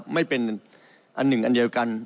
ไม่เป็นอันหนึ่งอันเดียวกัน